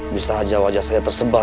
bisa saja wajah saya tersebar